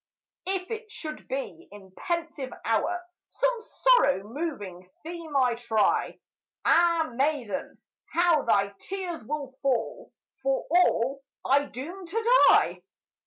If it should be in pensive hour Some sorrow moving theme I try, Ah, maiden, how thy tears will fall, For all I doom to die!